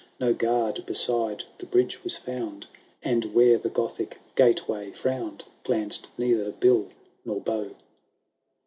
No guard beside the bridge was found. And, where the .Gothic gateway frown'd, Glanced neither bill nor bow.